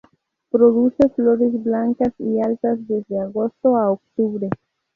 Produce flores blancas y altas desde agosto a octubre.